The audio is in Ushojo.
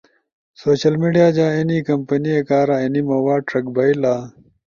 سوشل میڈیا جاں اینی کمپینے کارا اینی مواد ݜک بئیلا۔